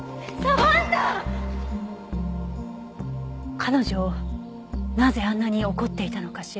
彼女なぜあんなに怒っていたのかしら？